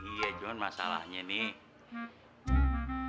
iya cuman masalahnya nih